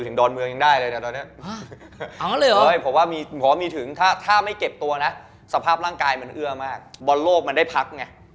หลือความเป็นว่าบอลโลกมันได้พัก